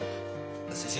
先生